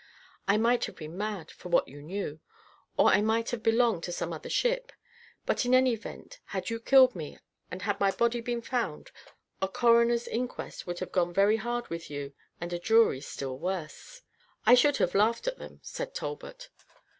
I might have been mad, for what you knew; or I might have belonged to some other ship; but, in any event, had you killed me, and had my body been found, a coroner's inquest would have gone very hard with you, and a jury still worse." "I should have laughed at them," said Talbot.